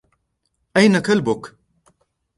اين كلبك ؟